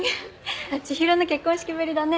千広の結婚式ぶりだね。